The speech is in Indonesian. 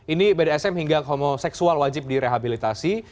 ini bdsm hingga khumoseksual wajib direhabilitasi